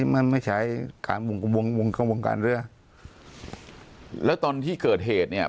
มันไม่ใช้ขามวงวงการเรือแล้วตอนที่เกิดเหตุเนี่ย